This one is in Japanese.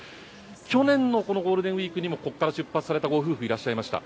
去年のゴールデンウィークにもここから出発されたご夫婦いました。